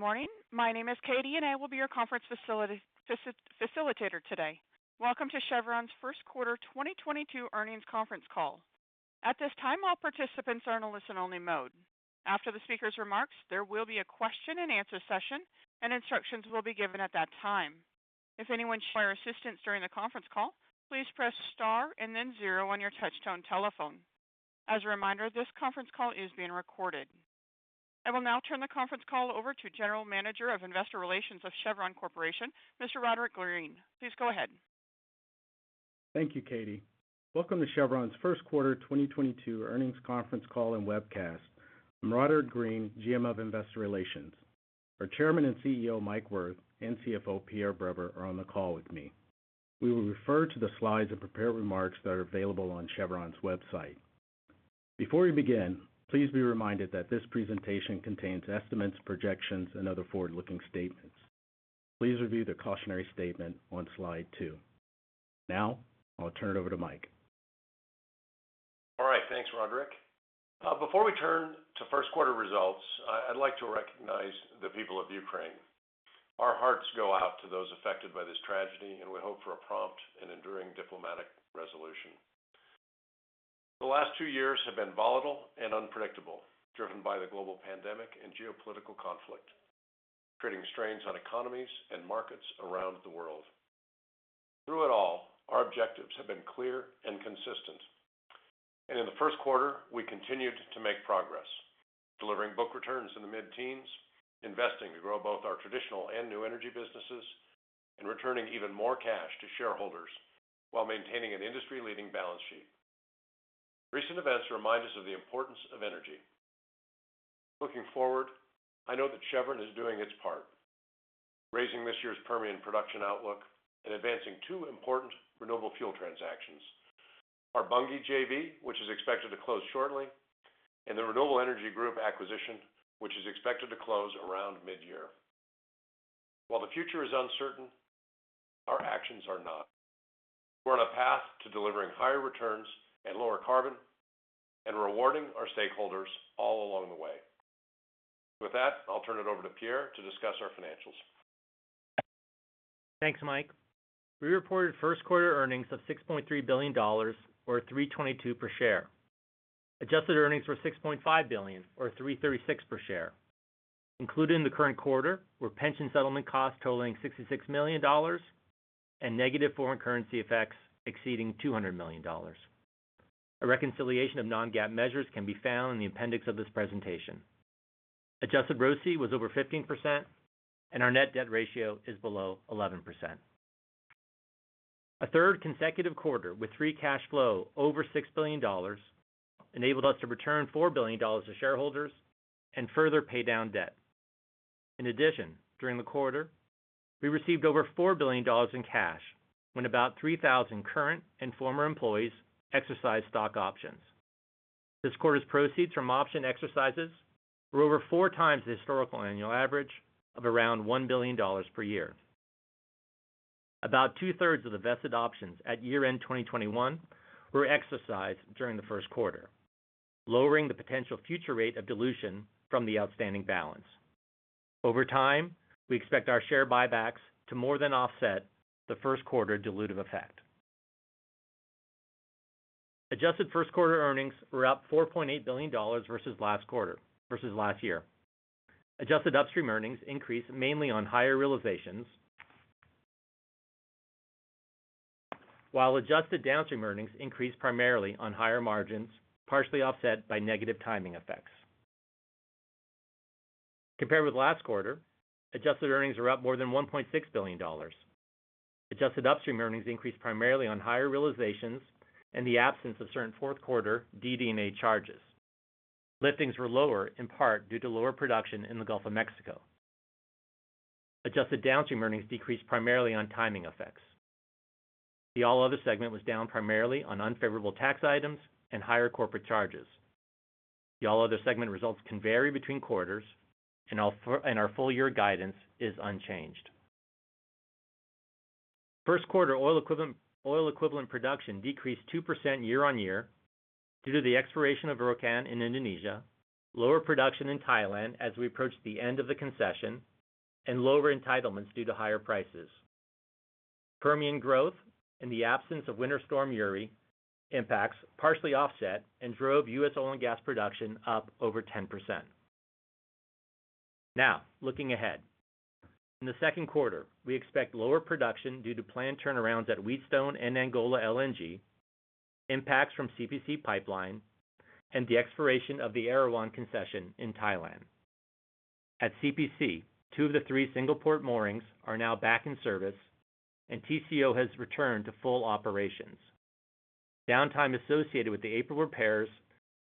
Good morning. My name is Katie, and I will be your conference facilitator today. Welcome to Chevron's first quarter 2022 earnings conference call. At this time, all participants are in a listen only mode. After the speaker's remarks, there will be a question and answer session, and instructions will be given at that time. If anyone require assistance during the conference call, please press star and then zero on your touchtone telephone. As a reminder, this conference call is being recorded. I will now turn the conference call over to General Manager of Investor Relations of Chevron Corporation, Mr. Roderick Green. Please go ahead. Thank you, Katie. Welcome to Chevron's first quarter 2022 earnings conference call and webcast. I'm Roderick Green, GM of Investor Relations. Our Chairman and CEO, Mike Wirth, and CFO, Pierre Breber, are on the call with me. We will refer to the slides of prepared remarks that are available on Chevron's website. Before we begin, please be reminded that this presentation contains estimates, projections, and other forward-looking statements. Please review the cautionary statement on slide two. Now, I'll turn it over to Mike. All right. Thanks, Roderick. Before we turn to first quarter results, I'd like to recognize the people of Ukraine. Our hearts go out to those affected by this tragedy, and we hope for a prompt and enduring diplomatic resolution. The last two years have been volatile and unpredictable, driven by the global pandemic and geopolitical conflict, creating strains on economies and markets around the world. Through it all, our objectives have been clear and consistent. In the first quarter, we continued to make progress, delivering book returns in the mid-teens, investing to grow both our traditional and new energy businesses, and returning even more cash to shareholders while maintaining an industry-leading balance sheet. Recent events remind us of the importance of energy. Looking forward, I know that Chevron is doing its part, raising this year's Permian production outlook and advancing two important renewable fuel transactions, our Bunge JV, which is expected to close shortly, and the Renewable Energy Group acquisition, which is expected to close around mid-year. While the future is uncertain, our actions are not. We're on a path to delivering higher returns and lower carbon and rewarding our stakeholders all along the way. With that, I'll turn it over to Pierre to discuss our financials. Thanks, Mike. We reported first quarter earnings of $6.3 billion, or $3.22 per share. Adjusted earnings were $6.5 billion or $3.36 per share. Included in the current quarter were pension settlement costs totaling $66 million and negative foreign currency effects exceeding $200 million. A reconciliation of non-GAAP measures can be found in the appendix of this presentation. Adjusted ROCE was over 15%, and our net debt ratio is below 11%. A third consecutive quarter with free cash flow over $6 billion enabled us to return $4 billion to shareholders and further pay down debt. In addition, during the quarter, we received over $4 billion in cash when about 3,000 current and former employees exercised stock options. This quarter's proceeds from option exercises were over 4x the historical annual average of around $1 billion per year. About 2/3 of the vested options at year-end 2021 were exercised during the first quarter, lowering the potential future rate of dilution from the outstanding balance. Over time, we expect our share buybacks to more than offset the first quarter dilutive effect. Adjusted first quarter earnings were up $4.8 billion versus last year. Adjusted upstream earnings increased mainly on higher realizations, while adjusted downstream earnings increased primarily on higher margins, partially offset by negative timing effects. Compared with last quarter, adjusted earnings were up more than $1.6 billion. Adjusted upstream earnings increased primarily on higher realizations and the absence of certain fourth quarter DD&A charges. Liftings were lower in part due to lower production in the Gulf of Mexico. Adjusted downstream earnings decreased primarily on timing effects. The all other segment was down primarily on unfavorable tax items and higher corporate charges. The all other segment results can vary between quarters, and our full year guidance is unchanged. First quarter oil equivalent production decreased 2% year-on-year due to the expiration of Rokan in Indonesia, lower production in Thailand as we approach the end of the concession, and lower entitlements due to higher prices. Permian growth and the absence of Winter Storm Uri impacts partially offset and drove US oil and gas production up over 10%. Now, looking ahead. In the second quarter, we expect lower production due to planned turnarounds at Wheatstone and Angola LNG, impacts from CPC pipeline, and the expiration of the Erawan concession in Thailand. At CPC, two of the three single port moorings are now back in service, and TCO has returned to full operations. Downtime associated with the April repairs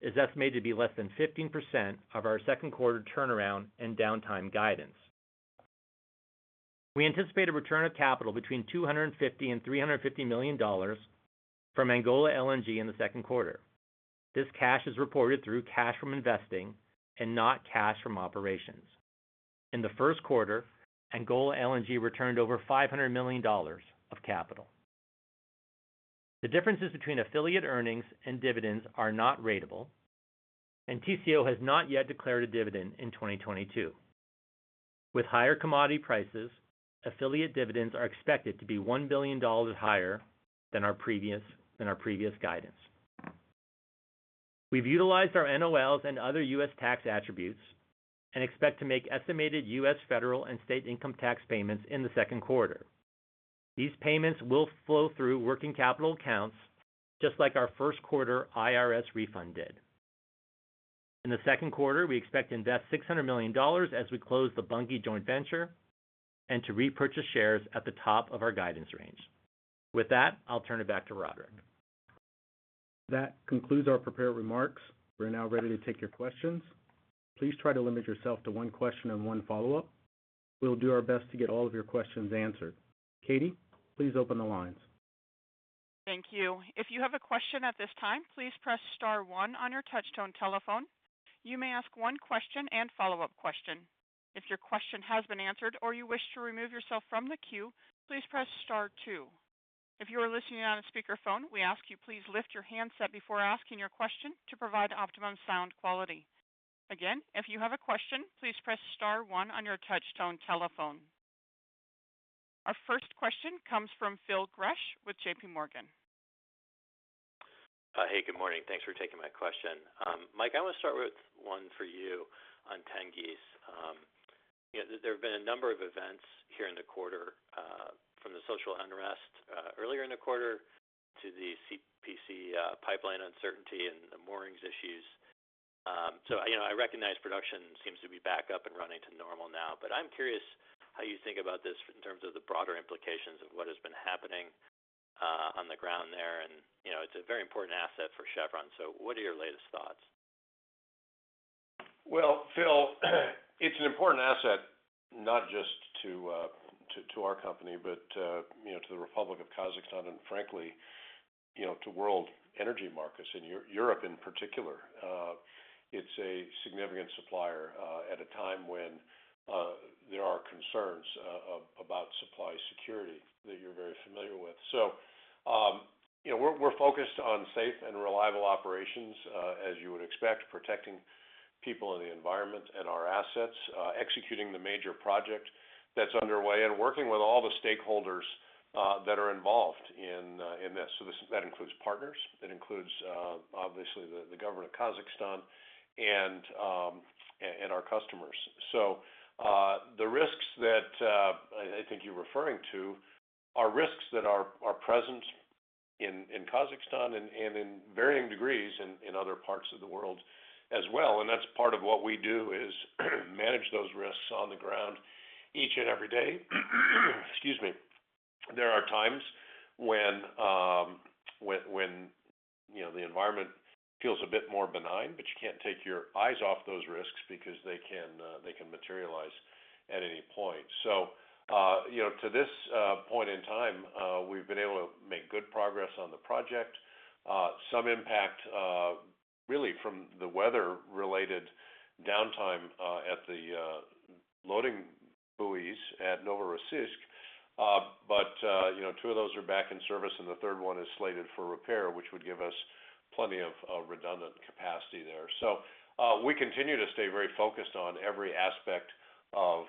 is estimated to be less than 15% of our second quarter turnaround and downtime guidance. We anticipate a return of capital between $250 million and $350 million from Angola LNG in the second quarter. This cash is reported through cash from investing and not cash from operations. In the first quarter, Angola LNG returned over $500 million of capital. The differences between affiliate earnings and dividends are not ratable, and TCO has not yet declared a dividend in 2022. With higher commodity prices, affiliate dividends are expected to be $1 billion higher than our previous guidance. We've utilized our NOLs and other U.S. tax attributes and expect to make estimated U.S. federal and state income tax payments in the second quarter. These payments will flow through working capital accounts just like our first quarter IRS refund did. In the second quarter, we expect to invest $600 million as we close the Bunge joint venture and to repurchase shares at the top of our guidance range. With that, I'll turn it back to Roderick. That concludes our prepared remarks. We're now ready to take your questions. Please try to limit yourself to one question and one follow-up. We'll do our best to get all of your questions answered. Katie, please open the lines. Thank you. If you have a question at this time, please press star one on your touch tone telephone. You may ask one question and follow-up question. If your question has been answered or you wish to remove yourself from the queue, please press star two. If you are listening on a speakerphone, we ask you please lift your handset before asking your question to provide optimum sound quality. Again, if you have a question, please press star one on your touch tone telephone. Our first question comes from Phil Gresh with JPMorgan. Hey, good morning. Thanks for taking my question. Mike, I wanna start with one for you on Tengiz. You know, there have been a number of events here in the quarter, from the social unrest earlier in the quarter to the CPC pipeline uncertainty and the moorings issues. You know, I recognize production seems to be back up and running to normal now, but I'm curious how you think about this in terms of the broader implications of what has been happening on the ground there. You know, it's a very important asset for Chevron, so what are your latest thoughts? Well, Phil, it's an important asset not just to our company, but you know, to the Republic of Kazakhstan and frankly, you know, to world energy markets in Europe in particular. It's a significant supplier at a time when there are concerns about supply security that you're very familiar with. You know, we're focused on safe and reliable operations as you would expect, protecting people in the environment and our assets, executing the major project that's underway and working with all the stakeholders that are involved in this. That includes partners, that includes obviously the government of Kazakhstan and our customers. The risks that I think you're referring to are risks that are present in Kazakhstan and in varying degrees in other parts of the world as well. That's part of what we do, is manage those risks on the ground each and every day. Excuse me. There are times when you know the environment feels a bit more benign, but you can't take your eyes off those risks because they can materialize at any point. You know, to this point in time, we've been able to make good progress on the project. Some impact really from the weather-related downtime at the loading buoys at Novorossiysk. You know, two of those are back in service, and the third one is slated for repair, which would give us plenty of redundant capacity there. We continue to stay very focused on every aspect of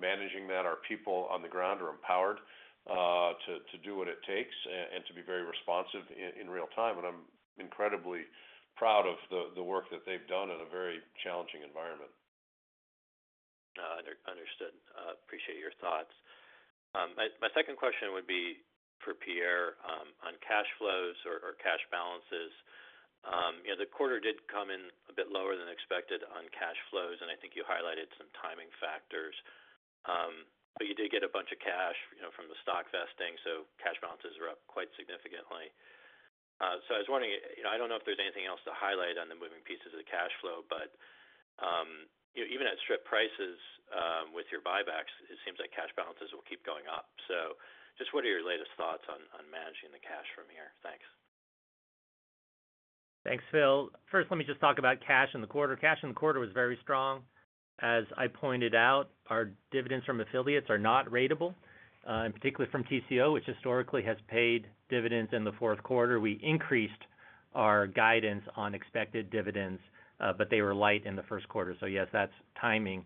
managing that. Our people on the ground are empowered to do what it takes and to be very responsive in real time. I'm incredibly proud of the work that they've done in a very challenging environment. Understood. Appreciate your thoughts. My second question would be for Pierre, on cash flows or cash balances. You know, the quarter did come in a bit lower than expected on cash flows, and I think you highlighted some timing factors, but you did get a bunch of cash, you know, from the stock vesting, so cash balances are up quite significantly. I was wondering, you know, I don't know if there's anything else to highlight on the moving pieces of the cash flow, but you know, even at strip prices, with your buybacks, it seems like cash balances will keep going up. Just what are your latest thoughts on managing the cash from here? Thanks. Thanks, Phil. First, let me just talk about cash in the quarter. Cash in the quarter was very strong. As I pointed out, our dividends from affiliates are not ratable, and particularly from TCO, which historically has paid dividends in the fourth quarter. We increased our guidance on expected dividends, but they were light in the first quarter. Yes, that's timing.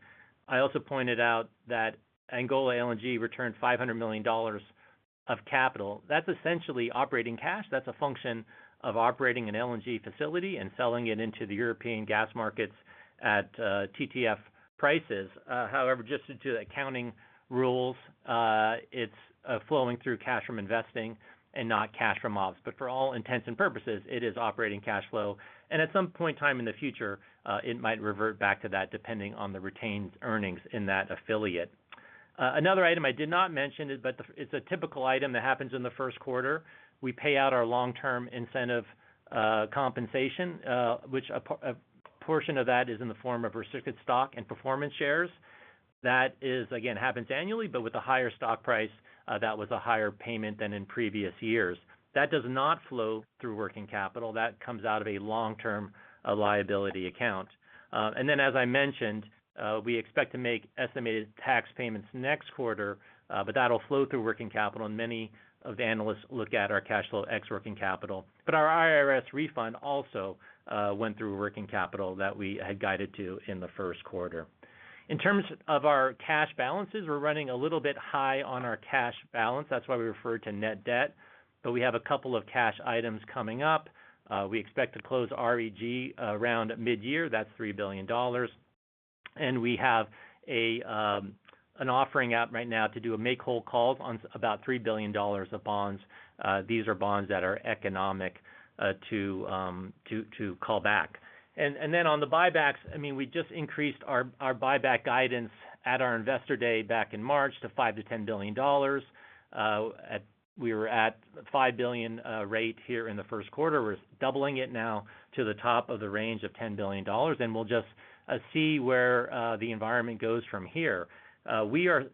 I also pointed out that Angola LNG returned $500 million of capital. That's essentially operating cash. That's a function of operating an LNG facility and selling it into the European gas markets at TTF prices. However, just due to accounting rules, it's flowing through cash from investing and not cash from ops. For all intents and purposes, it is operating cash flow. At some point in time in the future, it might revert back to that, depending on the retained earnings in that affiliate. Another item I did not mention is it's a typical item that happens in the first quarter. We pay out our long-term incentive compensation, which a portion of that is in the form of restricted stock and performance shares. That, again, happens annually, but with a higher stock price, that was a higher payment than in previous years. That does not flow through working capital. That comes out of a long-term liability account. As I mentioned, we expect to make estimated tax payments next quarter, but that'll flow through working capital, and many of the analysts look at our cash flow ex working capital. Our IRS refund also went through working capital that we had guided to in the first quarter. In terms of our cash balances, we're running a little bit high on our cash balance. That's why we refer to net debt. We have a couple of cash items coming up. We expect to close REG around mid-year. That's $3 billion. We have an offering out right now to do a make-whole call on about $3 billion of bonds. These are bonds that are economic to call back. Then on the buybacks, I mean, we just increased our buyback guidance at our investor day back in March to $5 billion-$10 billion. We were at $5 billion rate here in the first quarter. We're doubling it now to the top of the range of $10 billion, and we'll just see where the environment goes from here. We are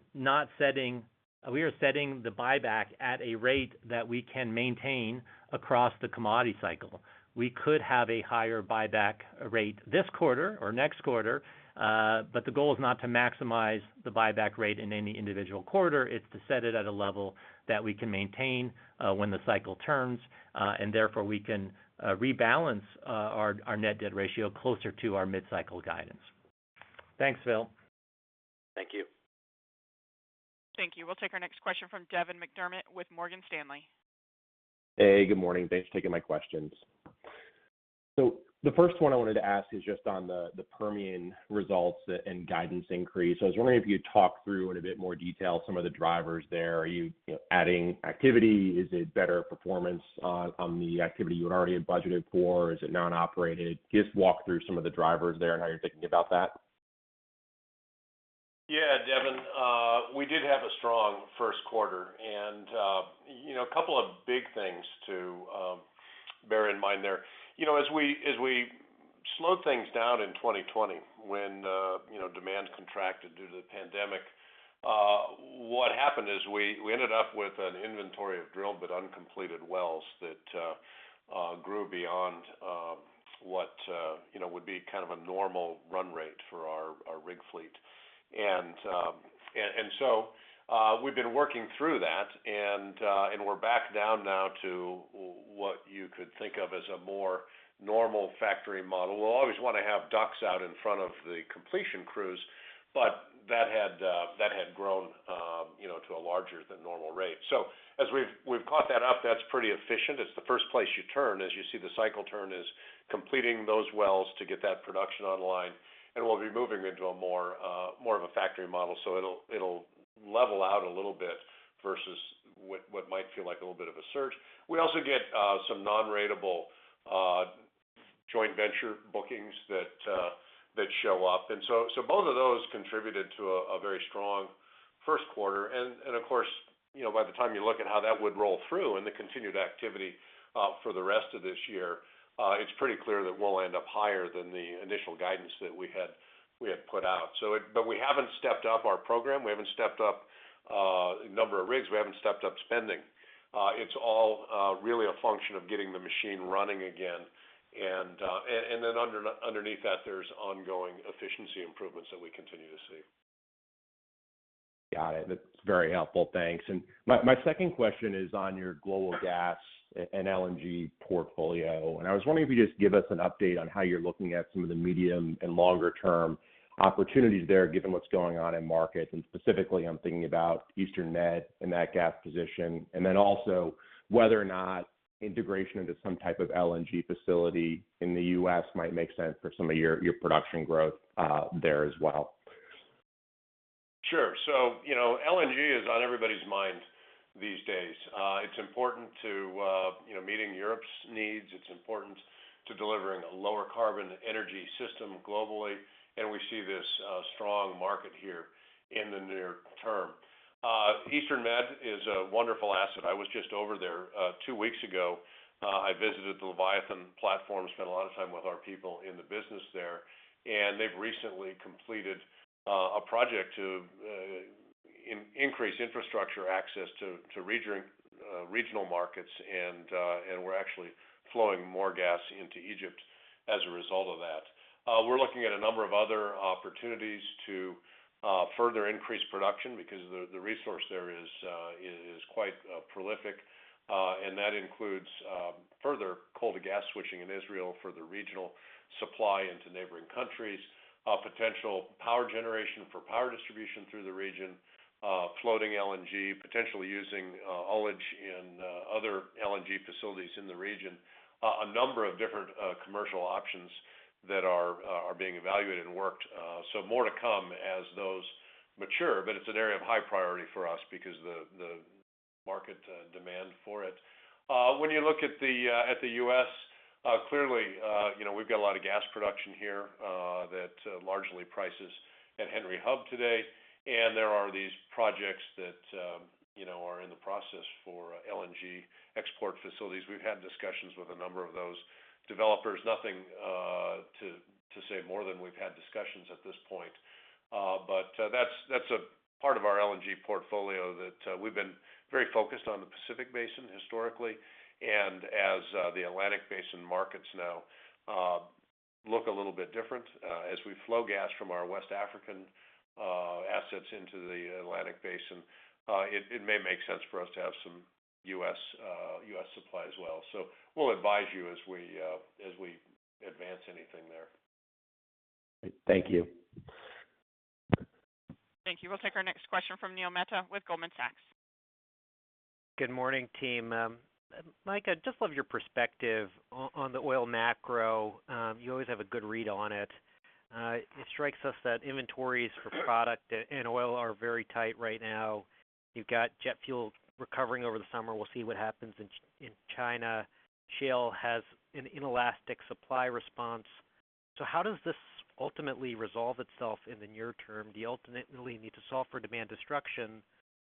setting the buyback at a rate that we can maintain across the commodity cycle. We could have a higher buyback rate this quarter or next quarter, but the goal is not to maximize the buyback rate in any individual quarter. It's to set it at a level that we can maintain when the cycle turns, and therefore, we can rebalance our net debt ratio closer to our mid-cycle guidance. Thanks, Phil. Thank you. Thank you. We'll take our next question from Devin McDermott with Morgan Stanley. Hey, good morning. Thanks for taking my questions. The first one I wanted to ask is just on the Permian results and guidance increase. I was wondering if you could talk through in a bit more detail some of the drivers there. Are you know, adding activity? Is it better performance on the activity you had already had budgeted for? Is it non-operated? Just walk through some of the drivers there and how you're thinking about that. Yeah, Devin, we did have a strong first quarter, and you know, a couple of big things to bear in mind there. You know, as we slowed things down in 2020 when you know, demand contracted due to the pandemic, what happened is we ended up with an inventory of drilled but uncompleted wells that grew beyond what you know, would be kind of a normal run rate for our rig fleet. We've been working through that and we're back down now to what you could think of as a more normal factory model. We'll always wanna have DUCs out in front of the completion crews, but that had grown you know, to a larger than normal rate. As we've caught that up, that's pretty efficient. It's the first place you turn. As you see, the cycle turn is completing those wells to get that production online, and we'll be moving into a more of a factory model, so it'll level out a little bit versus what might feel like a little bit of a surge. We also get some non-ratable joint venture bookings that show up. Both of those contributed to a very strong first quarter. Of course, you know, by the time you look at how that would roll through and the continued activity for the rest of this year, it's pretty clear that we'll end up higher than the initial guidance that we had put out. We haven't stepped up our program. We haven't stepped up number of rigs. We haven't stepped up spending. It's all really a function of getting the machine running again. Then underneath that, there's ongoing efficiency improvements that we continue to see. Got it. That's very helpful. Thanks. My second question is on your global gas and LNG portfolio, and I was wondering if you could just give us an update on how you're looking at some of the medium and longer term opportunities there, given what's going on in markets, and specifically I'm thinking about Eastern Med and that gas position, and then also whether or not integration into some type of LNG facility in the U.S. might make sense for some of your production growth there as well. Sure. You know, LNG is on everybody's mind these days. It's important to meeting Europe's needs. It's important to delivering a lower carbon energy system globally, and we see this strong market here in the near term. Eastern Med is a wonderful asset. I was just over there two weeks ago. I visited the Leviathan platform, spent a lot of time with our people in the business there, and they've recently completed a project to increase infrastructure access to regional markets. We're actually flowing more gas into Egypt as a result of that. We're looking at a number of other opportunities to further increase production because the resource there is quite prolific, and that includes further coal to gas switching in Israel for the regional supply into neighboring countries, potential power generation for power distribution through the region, floating LNG, potentially using ullage and other LNG facilities in the region. A number of different commercial options that are being evaluated and worked. More to come as those mature, but it's an area of high priority for us because the market demand for it. When you look at the U.S., clearly, you know, we've got a lot of gas production here that largely prices at Henry Hub today. There are these projects that, you know, are in the process for LNG export facilities. We've had discussions with a number of those developers. Nothing to say more than we've had discussions at this point. That's a part of our LNG portfolio that we've been very focused on the Pacific Basin historically. As the Atlantic Basin markets now look a little bit different, as we flow gas from our West African assets into the Atlantic Basin, it may make sense for us to have some US supply as well. We'll advise you as we advance anything there. Thank you. Thank you. We'll take our next question from Neil Mehta with Goldman Sachs. Good morning, team. Mike, I'd just love your perspective on the oil macro. You always have a good read on it. It strikes us that inventories for product and oil are very tight right now. You've got jet fuel recovering over the summer. We'll see what happens in China. Shale has an inelastic supply response. How does this ultimately resolve itself in the near term? Do you ultimately need to solve for demand destruction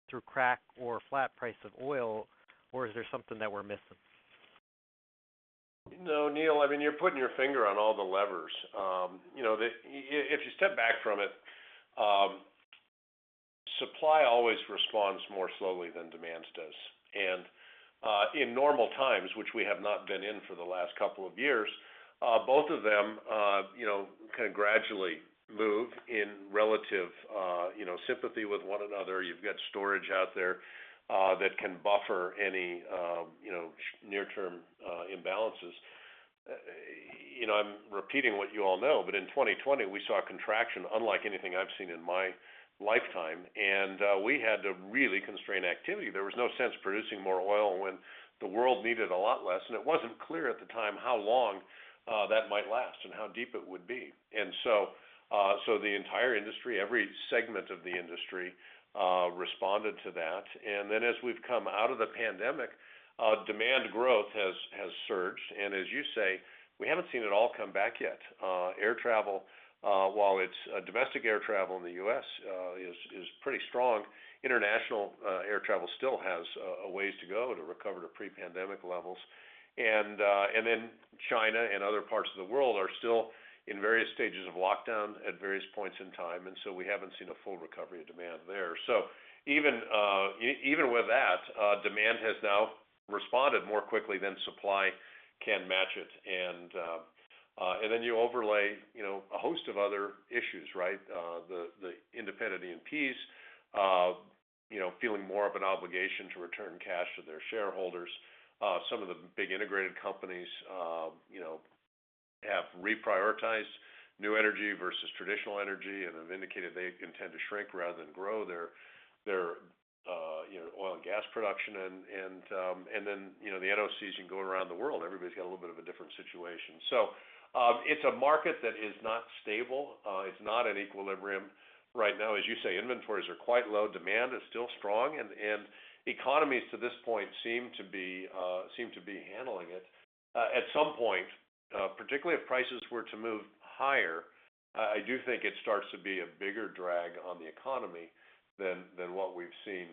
through crack or flat price of oil, or is there something that we're missing? No, Neil, I mean, you're putting your finger on all the levers. You know, if you step back from it, supply always responds more slowly than demand does. In normal times, which we have not been in for the last couple of years, both of them kind of gradually move in relative sympathy with one another. You've got storage out there that can buffer any short-term imbalances. You know, I'm repeating what you all know, but in 2020, we saw a contraction unlike anything I've seen in my lifetime, and we had to really constrain activity. There was no sense producing more oil when the world needed a lot less, and it wasn't clear at the time how long that might last and how deep it would be. The entire industry, every segment of the industry, responded to that. As we've come out of the pandemic, demand growth has surged. As you say, we haven't seen it all come back yet. Air travel, while it's domestic air travel in the U.S., is pretty strong. International air travel still has a ways to go to recover to pre-pandemic levels. China and other parts of the world are still in various stages of lockdown at various points in time, and so we haven't seen a full recovery of demand there. Even with that, demand has now responded more quickly than supply can match it. You overlay, you know, a host of other issues, right? The independent E&Ps, you know, feeling more of an obligation to return cash to their shareholders. Some of the big integrated companies, you know, have reprioritized new energy versus traditional energy and have indicated they intend to shrink rather than grow their, you know, oil and gas production. Then, you know, the NOCs, you can go around the world, everybody's got a little bit of a different situation. It's a market that is not stable. It's not at equilibrium right now. As you say, inventories are quite low, demand is still strong, and economies to this point seem to be handling it. At some point, particularly if prices were to move higher, I do think it starts to be a bigger drag on the economy than what we've seen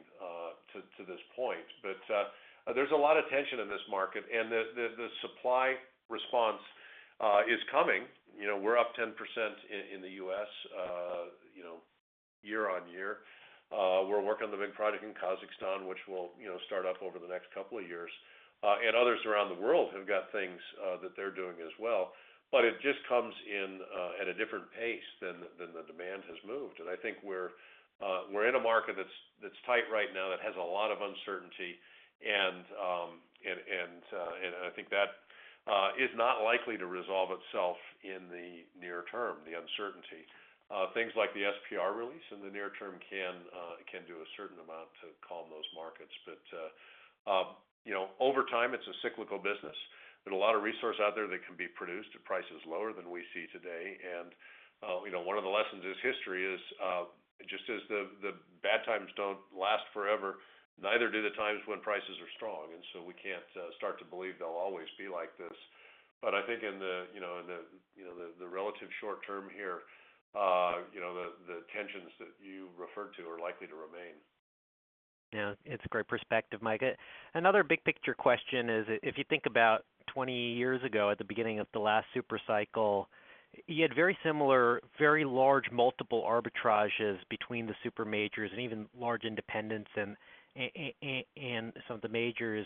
to this point. There's a lot of tension in this market, and the supply response is coming. You know, we're up 10% in the U.S. year-on-year. You know, we're working on the big project in Kazakhstan, which will start up over the next couple of years. Others around the world have got things that they're doing as well. It just comes in at a different pace than the demand has moved. I think we're in a market that's tight right now, that has a lot of uncertainty. I think that is not likely to resolve itself in the near term, the uncertainty. Things like the SPR release in the near term can do a certain amount to calm those markets. You know, over time, it's a cyclical business. There's a lot of resource out there that can be produced at prices lower than we see today. You know, one of the lessons from history is just as the bad times don't last forever, neither do the times when prices are strong, and so we can't start to believe they'll always be like this. I think you know, in the relative short term here, you know, the tensions that you referred to are likely to remain. It's a great perspective, Mike. Another big picture question is, if you think about 20 years ago, at the beginning of the last super cycle, you had very similar, very large multiple arbitrages between the super majors and even large independents and some of the majors.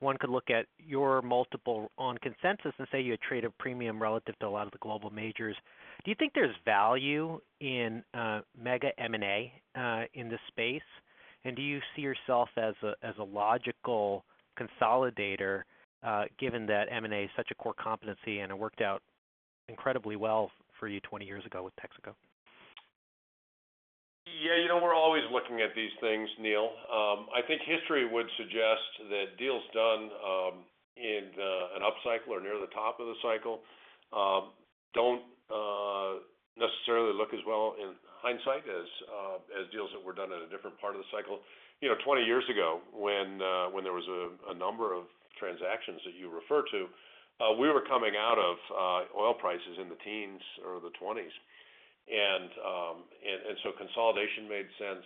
One could look at your multiple on consensus and say you had traded premium relative to a lot of the global majors. Do you think there's value in mega M&A in this space? And do you see yourself as a logical consolidator, given that M&A is such a core competency, and it worked out incredibly well for you 20 years ago with Texaco? Yeah, you know, we're always looking at these things, Neil. I think history would suggest that deals done in an upcycle or near the top of the cycle don't necessarily look as well in hindsight as deals that were done at a different part of the cycle. You know, 20 years ago, when there was a number of transactions that you refer to, we were coming out of oil prices in the teens or the 20s. Consolidation made sense.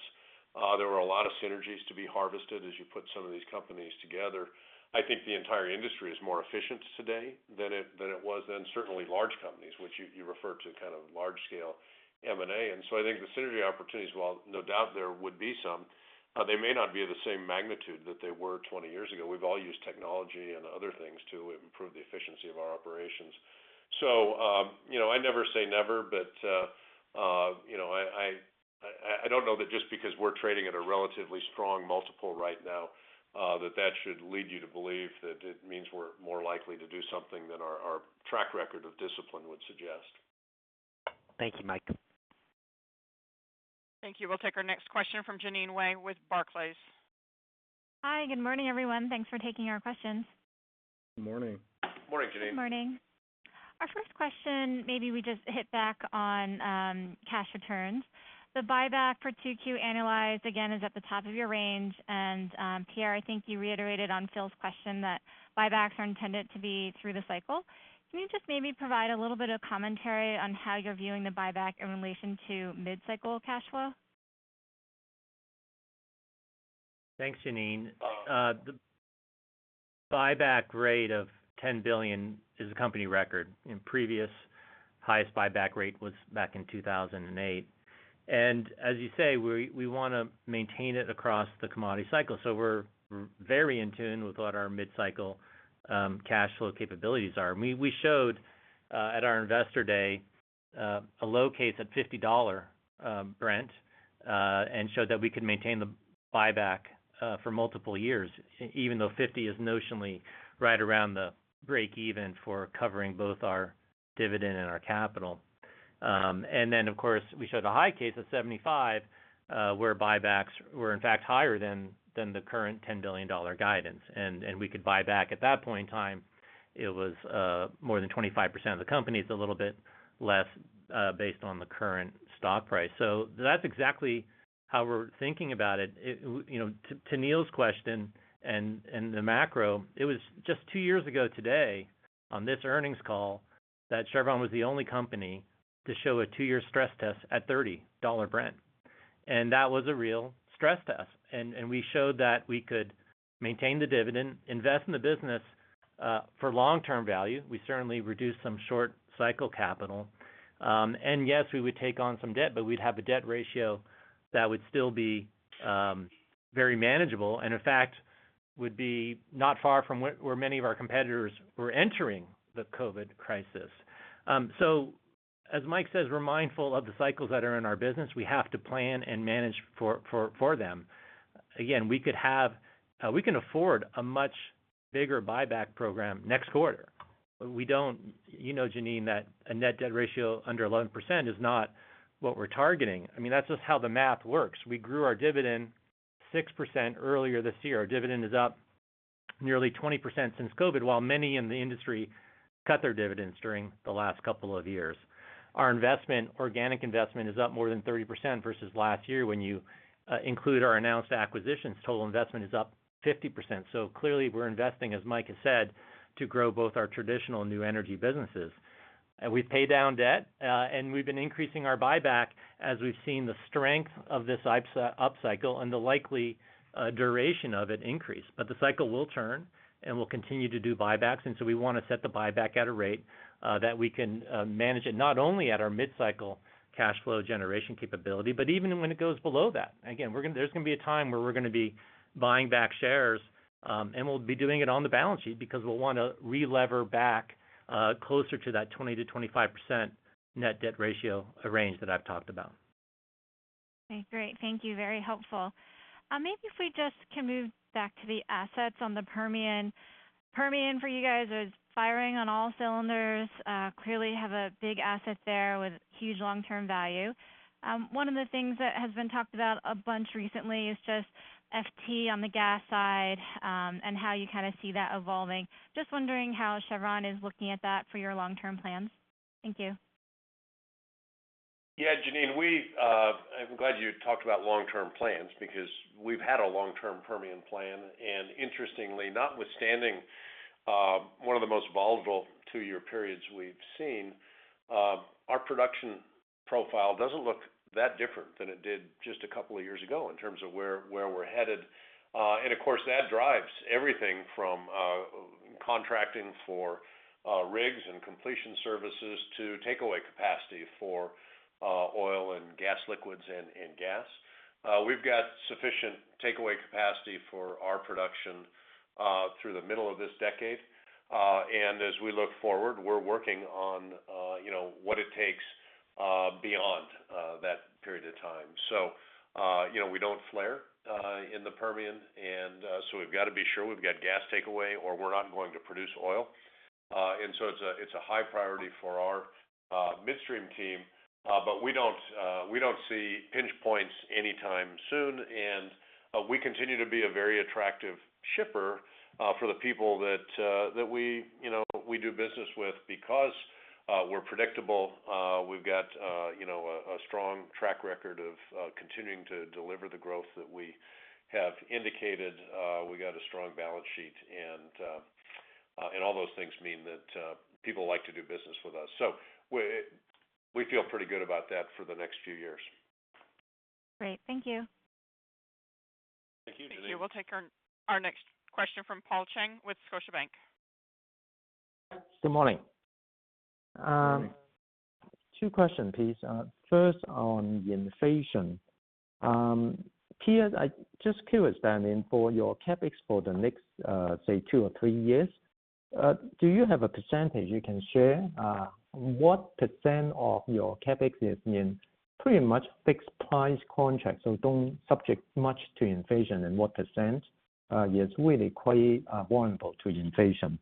There were a lot of synergies to be harvested as you put some of these companies together. I think the entire industry is more efficient today than it was then. Certainly large companies, which you referred to kind of large scale M&A. I think the synergy opportunities, while no doubt there would be some, they may not be of the same magnitude that they were 20 years ago. We've all used technology and other things to improve the efficiency of our operations. You know, I never say never, but you know, I don't know that just because we're trading at a relatively strong multiple right now, that should lead you to believe that it means we're more likely to do something than our track record of discipline would suggest. Thank you, Mike. Thank you. We'll take our next question from Jeanine Wai with Barclays. Hi. Good morning, everyone. Thanks for taking our questions. Good morning. Morning, Jeanine. Morning. Our first question, maybe we just hit back on cash returns. The buyback for 2Q annualized again is at the top of your range. Pierre, I think you reiterated on Phil's question that buybacks are intended to be through the cycle. Can you just maybe provide a little bit of commentary on how you're viewing the buyback in relation to mid-cycle cash flow? Thanks, Janine. The buyback rate of $10 billion is a company record. In previous, highest buyback rate was back in 2008. As you say, we wanna maintain it across the commodity cycle. We're very in tune with what our mid-cycle cash flow capabilities are. We showed at our investor day a low case at $50 Brent and showed that we could maintain the buyback for multiple years, even though $50 is notionally right around the break even for covering both our dividend and our capital. Then of course, we showed a high case at $75 where buybacks were in fact higher than the current $10 billion guidance. We could buy back at that point in time, it was more than 25% of the company. It's a little bit less based on the current stock price. That's exactly how we're thinking about it. You know, to Neil's question and the macro, it was just two years ago today on this earnings call that Chevron was the only company to show a two-year stress test at $30 Brent. That was a real stress test. We showed that we could maintain the dividend, invest in the business for long-term value. We certainly reduced some short cycle capital. Yes, we would take on some debt, but we'd have a debt ratio that would still be very manageable, and in fact, would be not far from where many of our competitors were entering the COVID crisis. As Mike says, we're mindful of the cycles that are in our business. We have to plan and manage for them. Again, we can afford a much bigger buyback program next quarter. You know, Janine, that a net debt ratio under 11% is not what we're targeting. I mean, that's just how the math works. We grew our dividend 6% earlier this year. Our dividend is up nearly 20% since COVID, while many in the industry cut their dividends during the last couple of years. Our investment, organic investment, is up more than 30% versus last year. When you include our announced acquisitions, total investment is up 50%. Clearly, we're investing, as Mike has said, to grow both our traditional and new energy businesses. We've paid down debt, and we've been increasing our buyback as we've seen the strength of this upcycle and the likely duration of it increase. The cycle will turn, and we'll continue to do buybacks, and so we wanna set the buyback at a rate that we can manage it, not only at our mid-cycle cash flow generation capability, but even when it goes below that. Again, there's gonna be a time where we're gonna be buying back shares, and we'll be doing it on the balance sheet because we'll wanna relever back, closer to that 20%-25% net debt ratio range that I've talked about. Okay, great. Thank you. Very helpful. Maybe if we just can move back to the assets on the Permian. Permian for you guys is firing on all cylinders. Clearly have a big asset there with huge long-term value. One of the things that has been talked about a bunch recently is just FT on the gas side, and how you kinda see that evolving. Just wondering how Chevron is looking at that for your long-term plans. Thank you. Yeah, Jeanine, I'm glad you talked about long-term plans because we've had a long-term Permian plan. Interestingly, notwithstanding one of the most volatile two-year periods we've seen, our production profile doesn't look that different than it did just a couple of years ago in terms of where we're headed. Of course, that drives everything from contracting for rigs and completion services to takeaway capacity for oil and gas liquids and gas. We've got sufficient takeaway capacity for our production through the middle of this decade. As we look forward, we're working on, you know, what it takes beyond that period of time. You know, we don't flare in the Permian, and so we've got to be sure we've got gas takeaway or we're not going to produce oil. It's a high priority for our midstream team, but we don't see pinch points anytime soon, and we continue to be a very attractive shipper for the people that we you know we do business with because we're predictable. We've got you know a strong track record of continuing to deliver the growth that we have indicated, we got a strong balance sheet and all those things mean that people like to do business with us. We feel pretty good about that for the next few years. Great. Thank you. Thank you. Thank you. We'll take our next question from Paul Cheng with Scotiabank. Good morning. Good morning. Two questions, please. First on the inflation. I'm just curious then for your CapEx for the next, say, two or three years, do you have a percentage you can share? What percent of your CapEx is in pretty much fixed price contracts, so don't subject much to inflation, and what percent is really quite vulnerable to inflation?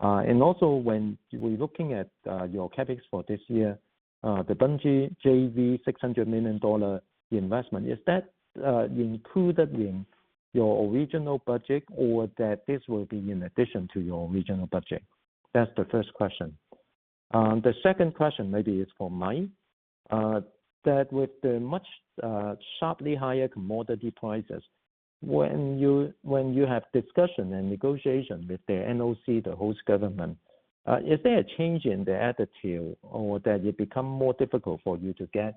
And also when we're looking at your CapEx for this year, the Bunge JV $600 million investment, is that included in your original budget or that this will be in addition to your original budget? That's the first question. The second question maybe is for Mike. That with the much sharply higher commodity prices, when you have discussion and negotiation with the NOC, the host government, is there a change in the attitude or that it become more difficult for you to get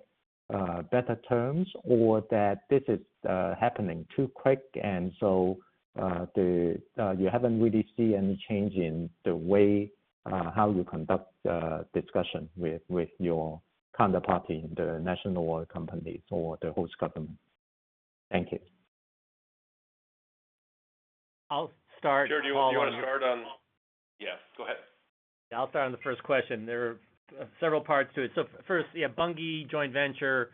better terms or that this is happening too quick and so you haven't really seen any change in the way how you conduct discussion with your counterparty, the national oil companies or the host government? Thank you. I'll start. Pierre, do you wanna start on? Yeah, go ahead. I'll start on the first question. There are several parts to it. First, yeah, Bunge joint venture,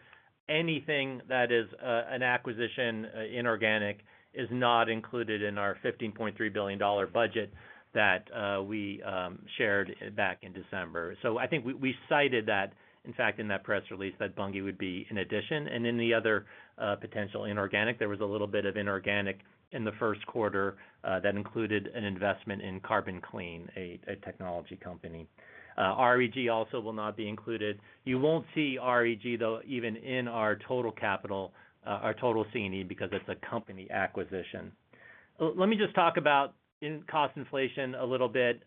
anything that is an acquisition inorganic is not included in our $15.3 billion budget that we shared back in December. I think we cited that, in fact, in that press release, that Bunge would be an addition. Then the other potential inorganic, there was a little bit of inorganic in the first quarter that included an investment in Carbon Clean, a technology company. REG also will not be included. You won't see REG, though, even in our total capital, our total C&E, because it's a company acquisition. Let me just talk about cost inflation a little bit.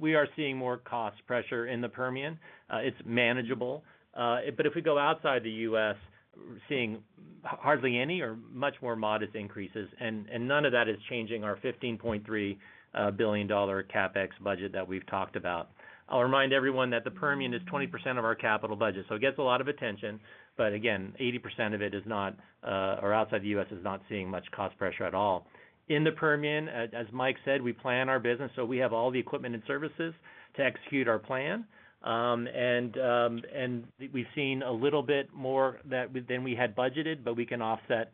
We are seeing more cost pressure in the Permian. It's manageable. If we go outside the U.S., we're seeing hardly any or much more modest increases, and none of that is changing our $15.3 billion CapEx budget that we've talked about. I'll remind everyone that the Permian is 20% of our capital budget, so it gets a lot of attention. Again, 80% of it is not or outside the U.S. is not seeing much cost pressure at all. In the Permian, as Mike said, we plan our business, so we have all the equipment and services to execute our plan. We've seen a little bit more than we had budgeted, but we can offset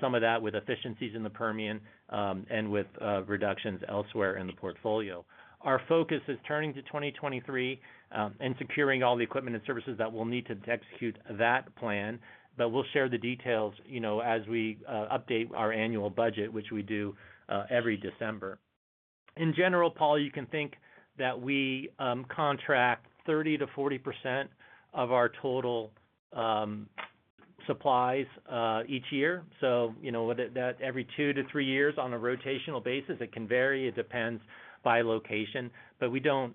some of that with efficiencies in the Permian and with reductions elsewhere in the portfolio. Our focus is turning to 2023 and securing all the equipment and services that we'll need to execute that plan. We'll share the details, you know, as we update our annual budget, which we do every December. In general, Paul, you can think that we contract 30%-40% of our total supplies each year. You know, whether that every 2-3 years on a rotational basis, it can vary, it depends by location. We don't,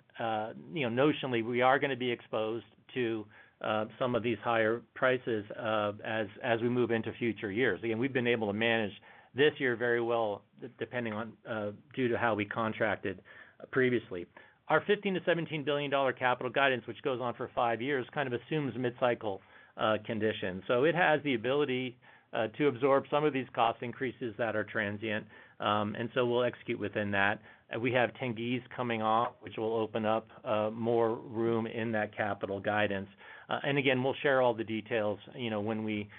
you know, notionally, we are gonna be exposed to some of these higher prices as we move into future years. Again, we've been able to manage this year very well due to how we contracted previously. Our $15 billion-$17 billion capital guidance, which goes on for five years, kind of assumes mid-cycle conditions. It has the ability to absorb some of these cost increases that are transient. We'll execute within that. We have Tengiz coming off, which will open up more room in that capital guidance. Again, we'll share all the details, you know, when we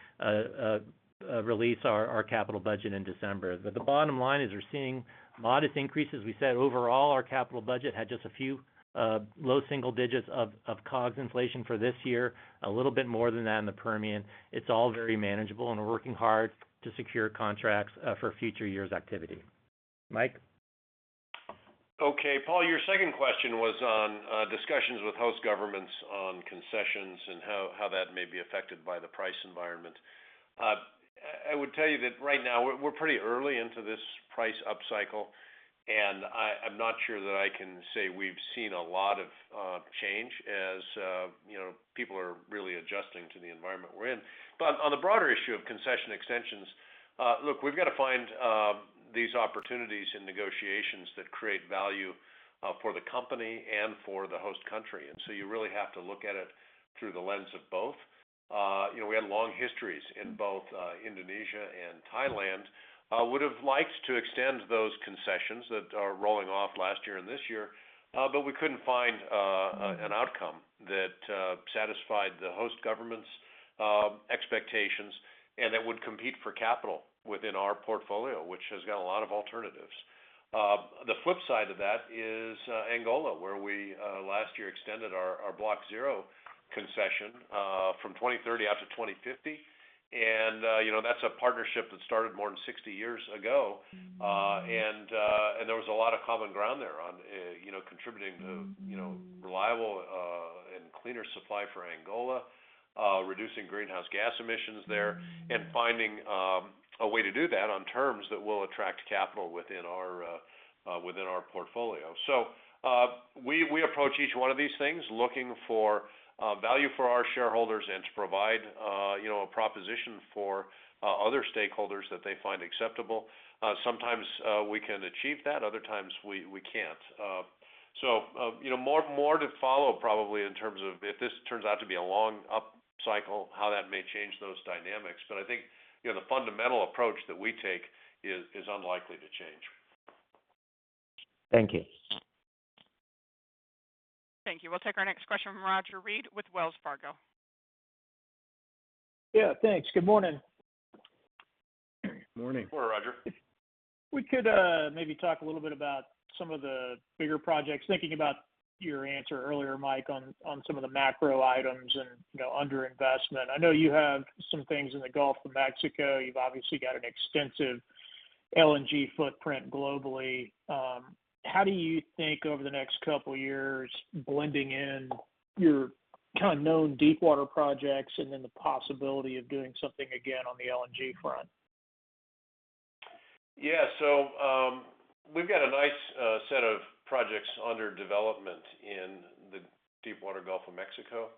release our capital budget in December. The bottom line is we're seeing modest increases. We said overall, our capital budget had just a few low single digits of COGS inflation for this year, a little bit more than that in the Permian. It's all very manageable, and we're working hard to secure contracts for future years' activity. Mike? Okay, Paul, your second question was on discussions with host governments on concessions and how that may be affected by the price environment. I would tell you that right now we're pretty early into this price upcycle, and I'm not sure that I can say we've seen a lot of change as you know, people are really adjusting to the environment we're in. On the broader issue of concession extensions, look, we've got to find these opportunities in negotiations that create value for the company and for the host country. You really have to look at it through the lens of both. You know, we have long histories in both Indonesia and Thailand. Would've liked to extend those concessions that are rolling off last year and this year, but we couldn't find an outcome that satisfied the host government's expectations and that would compete for capital within our portfolio, which has got a lot of alternatives. The flip side of that is Angola, where we last year extended our Block O concession from 2030 out to 2050. You know, that's a partnership that started more than 60 years ago. And there was a lot of common ground there on, you know, contributing to, you know, reliable and cleaner supply for Angola, reducing greenhouse gas emissions there, and finding a way to do that on terms that will attract capital within our portfolio. We approach each one of these things looking for value for our shareholders and to provide, you know, a proposition for other stakeholders that they find acceptable. Sometimes, we can achieve that, other times we can't. You know, more to follow probably in terms of if this turns out to be a long up cycle, how that may change those dynamics. I think, you know, the fundamental approach that we take is unlikely to change. Thank you. Thank you. We'll take our next question from Roger Read with Wells Fargo. Yeah, thanks. Good morning. Morning. Good morning, Roger. If we could, maybe talk a little bit about some of the bigger projects. Thinking about your answer earlier, Mike, on some of the macro items and, you know, under investment. I know you have some things in the Gulf of Mexico. You've obviously got an extensive LNG footprint globally. How do you think over the next couple years blending in your kind of known deepwater projects and then the possibility of doing something again on the LNG front? Yeah. We've got a nice set of projects under development in the deepwater Gulf of Mexico.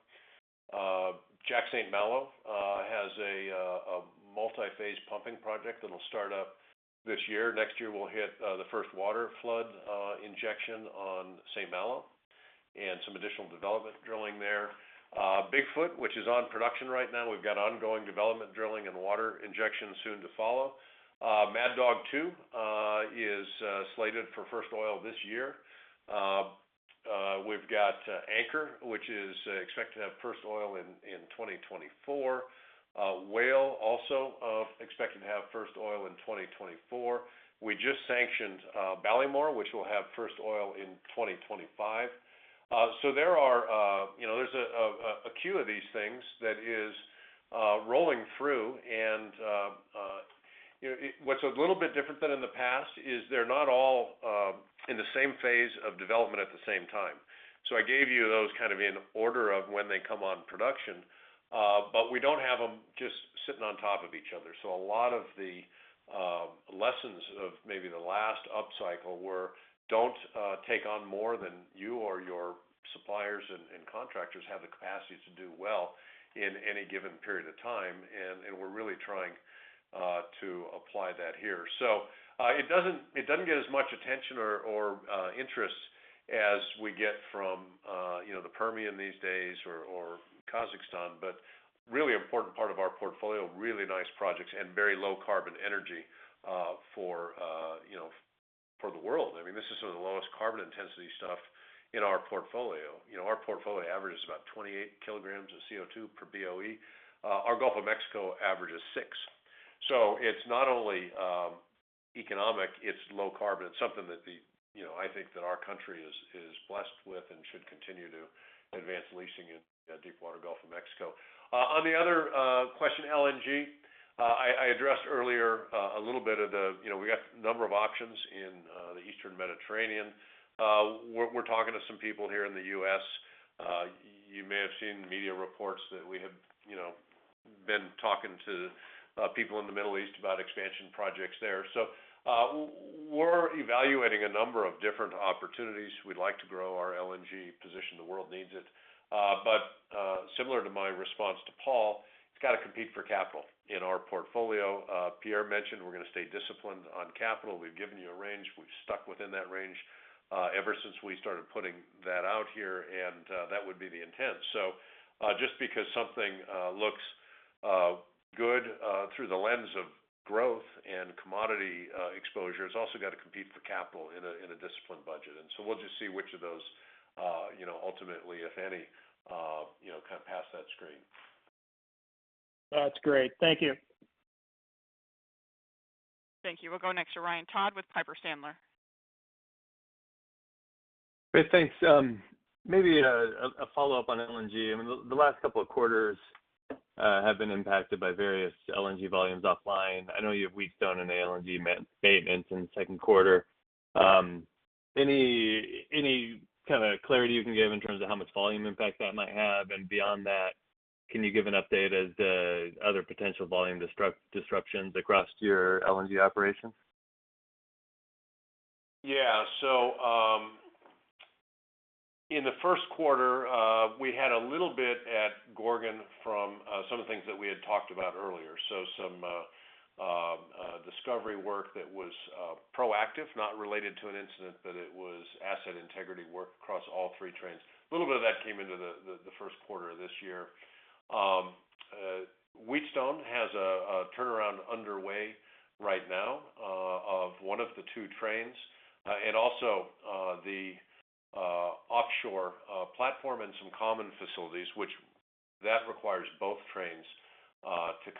Jack/St. Malo has a multi-phase pumping project that'll start up this year. Next year, we'll hit the first water flood injection on St. Malo and some additional development drilling there. Bigfoot, which is on production right now, we've got ongoing development drilling and water injection soon to follow. Mad Dog 2 is slated for first oil this year. We've got Anchor, which is expected to have first oil in 2024. Whale also expected to have first oil in 2024. We just sanctioned Ballymore, which will have first oil in 2025. There are, you know, a queue of these things that is rolling through. You know, what's a little bit different than in the past is they're not all in the same phase of development at the same time. I gave you those kind of in order of when they come on production, but we don't have them just sitting on top of each other. A lot of the lessons of maybe the last upcycle were don't take on more than you or your suppliers and contractors have the capacity to do well in any given period of time, and we're really trying to apply that here. It doesn't get as much attention or interest as we get from you know, the Permian these days or Kazakhstan, but really important part of our portfolio, really nice projects and very low carbon energy for you know, for the world. I mean, this is some of the lowest carbon intensity stuff in our portfolio. You know, our portfolio average is about 28 kg of CO2 per BOE. Our Gulf of Mexico average is six. It's not only economic, it's low carbon. It's something that the you know, I think that our country is blessed with and should continue to advance leasing in deepwater Gulf of Mexico. On the other question, LNG, I addressed earlier, a little bit of the you know, we got number of options in the Eastern Mediterranean. We're talking to some people here in the U.S. You may have seen the media reports that we have, you know, been talking to people in the Middle East about expansion projects there. We're evaluating a number of different opportunities. We'd like to grow our LNG position, the world needs it. Similar to my response to Paul, it's gotta compete for capital in our portfolio. Pierre mentioned we're gonna stay disciplined on capital. We've given you a range. We've stuck within that range ever since we started putting that out here, and that would be the intent. Just because something looks good through the lens of growth and commodity exposure, it's also got to compete for capital in a disciplined budget. We'll just see which of those, you know, ultimately, if any, you know, kind of pass that screen. That's great. Thank you. Thank you. We'll go next to Ryan Todd with Piper Sandler. Great. Thanks. Maybe a follow-up on LNG. I mean, the last couple of quarters have been impacted by various LNG volumes offline. I know you have Wheatstone and LNG maintenance in the second quarter. Any kind of clarity you can give in terms of how much volume impact that might have? Beyond that, can you give an update of the other potential volume disruptions across your LNG operations? Yeah, in the first quarter, we had a little bit at Gorgon from some of the things that we had talked about earlier. Some discovery work that was proactive, not related to an incident, but it was asset integrity work across all three trains. A little bit of that came into the first quarter of this year. Wheatstone has a turnaround underway right now of one of the two trains and also the offshore platform and some common facilities, which requires both trains to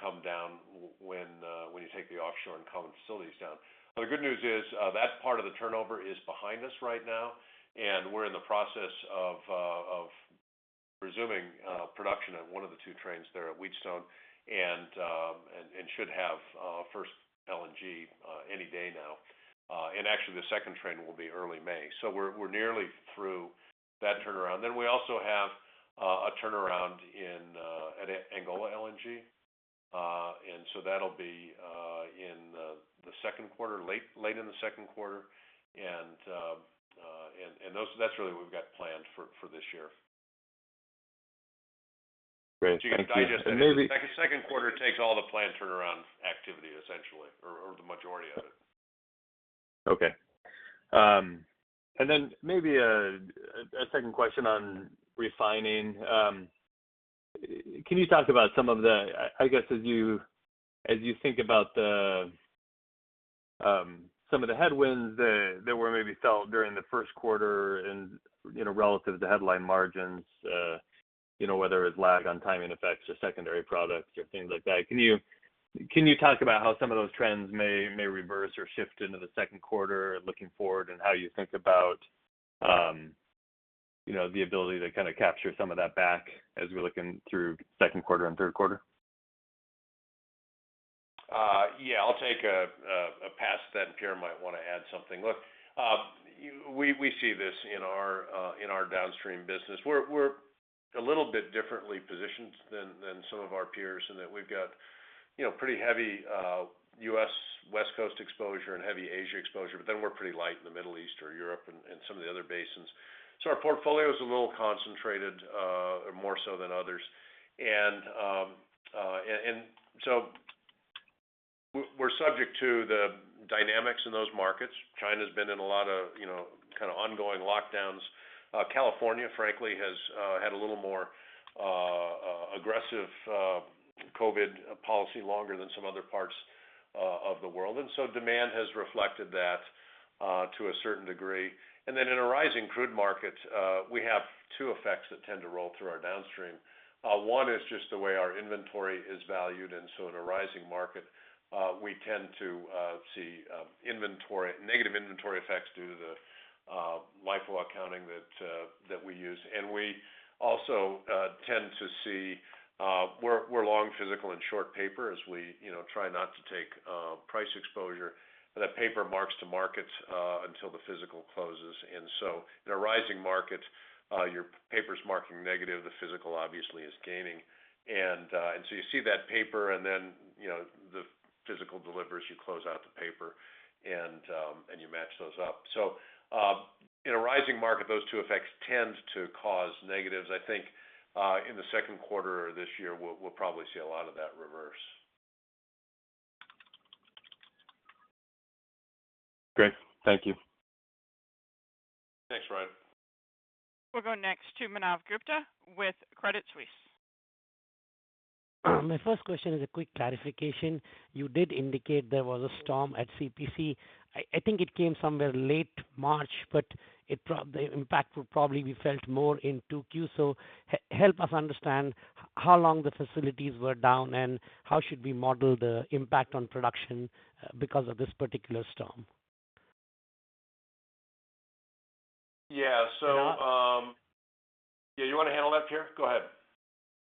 come down when you take the offshore and common facilities down. The good news is that part of the turnaround is behind us right now, and we're in the process of resuming production at one of the two trains there at Wheatstone and should have first LNG any day now. Actually the second train will be early May. We're nearly through that turnaround. We also have a turnaround at Angola LNG. That'll be in the second quarter, late in the second quarter. That's really what we've got planned for this year. Great. Thank you. You can digest that. The second quarter takes all the planned turnaround activity essentially, or the majority of it. Okay. Maybe a second question on refining. Can you talk about, I guess, as you think about some of the headwinds that were maybe felt during the first quarter and, you know, relative to headline margins, you know, whether it's lag on timing effects or secondary products or things like that. Can you talk about how some of those trends may reverse or shift into the second quarter looking forward, and how you think about, you know, the ability to kind of capture some of that back as we're looking through second quarter and third quarter? Yeah. I'll take a pass at that, and Pierre might wanna add something. Look, we see this in our downstream business. We're a little bit differently positioned than some of our peers in that we've got, you know, pretty heavy U.S. West Coast exposure and heavy Asia exposure, but then we're pretty light in the Middle East or Europe and some of the other basins. Our portfolio is a little concentrated more so than others. We're subject to the dynamics in those markets. China's been in a lot of, you know, kind of ongoing lockdowns. California frankly has had a little more aggressive COVID policy longer than some other parts of the world. Demand has reflected that to a certain degree. In a rising crude market, we have two effects that tend to roll through our downstream. One is just the way our inventory is valued, and so in a rising market, we tend to see negative inventory effects due to the LIFO accounting that we use. We also tend to see we're long physical and short paper as we, you know, try not to take price exposure. That paper marks to market until the physical closes. In a rising market, your paper's marking negative, the physical obviously is gaining. You see that paper and then, you know, the physical delivers, you close out the paper, and you match those up. In a rising market, those two effects tend to cause negatives. I think, in the second quarter this year, we'll probably see a lot of that reverse. Great. Thank you. Thanks, Ryan. We'll go next to Manav Gupta with Credit Suisse. My first question is a quick clarification. You did indicate there was a storm at CPC. I think it came somewhere late March, but the impact will probably be felt more in 2Q. Help us understand how long the facilities were down, and how should we model the impact on production, because of this particular storm? Yeah. Manav? Yeah. You wanna handle that, Pierre? Go ahead.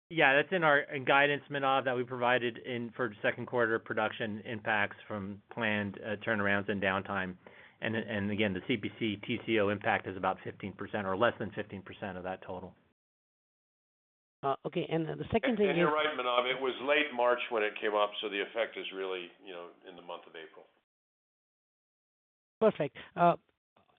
Yeah. That's in our guidance, Manav, that we provided for the second quarter production impacts from planned turnarounds and downtime. Again, the CPC TCO impact is about 15% or less than 15% of that total. Okay. The second thing is. You're right, Manav. It was late March when it came up, so the effect is really, you know, in the month of April. Perfect.